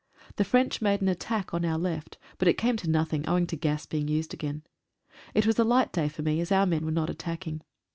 The French made an attack on our left, but 62 NO. 10 CANADIAN BATTERY. it came to nothing, owing to gas being used again. It was a light day for me, as our men were not attacking.